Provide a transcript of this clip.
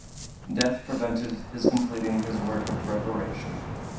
Death prevented his completing his work of reparation.